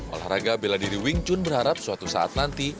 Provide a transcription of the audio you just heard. olahraga bela diri wing chun berharap suatu saat nanti